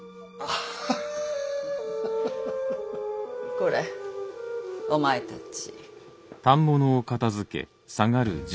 これお前たち。